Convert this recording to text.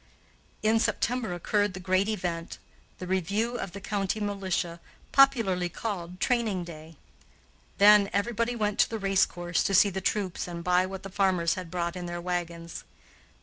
In September occurred the great event, the review of the county militia, popularly called "Training Day." Then everybody went to the race course to see the troops and buy what the farmers had brought in their wagons.